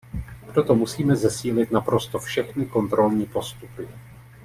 Proto musíme zesílit naprosto všechny kontrolní postupy.